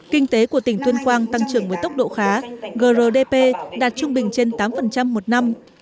kinh tế của tỉnh tuyên quang tăng trưởng với tốc độ khá grdp đạt trung bình trên tám một năm